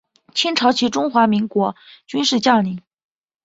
清朝及中华民国军事将领。